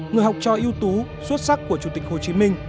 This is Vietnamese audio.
người học cho yếu tố xuất sắc của chủ tịch hồ chí minh